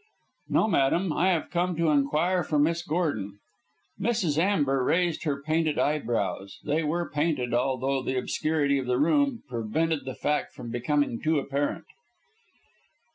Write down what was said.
"No, madam. I have come to inquire for Miss Gordon." Mrs. Amber raised her painted eye brows they were painted, although the obscurity of the room prevented that fact becoming too apparent.